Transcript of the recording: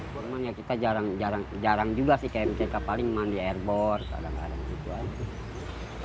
cuman ya kita jarang juga sih ke mck paling mandi air bor kadang kadang gitu aja